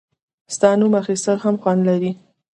• ستا نوم اخیستل هم خوند لري.